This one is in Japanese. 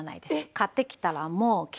買ってきたらもう切って。